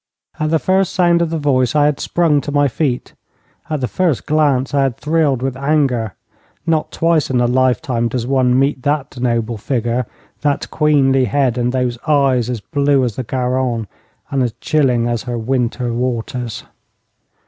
At the first sound of the voice I had sprung to my feet. At the first glance I had thrilled with anger. Not twice in a lifetime does one meet that noble figure, that queenly head, and those eyes as blue as the Garonne, and as chilling as her winter waters.